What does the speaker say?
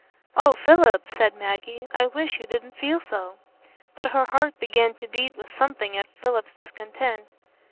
"Oh, Philip," said Maggie, "I wish you didn't feel so." But her heart began to beat with something of Philip's discontent.